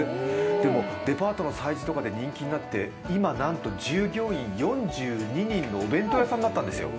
でもデパートとかで人気になって従業員４２人の、お弁当屋さんになったんですよ。